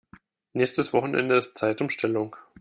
Nächstes Wochenende ist Zeitumstellung.